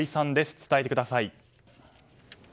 伝えてください。